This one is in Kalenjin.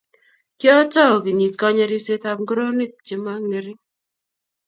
kiotou kenyitkonye ribsetab nguruoniik chemo ng'ering'.